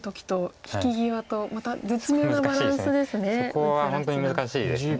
そこは本当に難しいです。